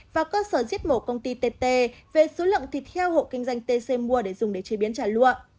và cơ sở giết mổ công ty tt về số lượng thịt heo hộ kinh doanh tc mua để dùng để chế biến trả lụa